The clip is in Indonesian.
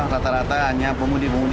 rata rata hanya pemundi pemundi